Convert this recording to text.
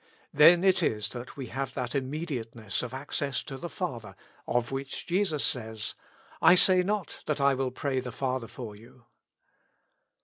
Then it is that we have that immediateness of access to the Father of which Jesus says, " I say not that I will pray the Father for you."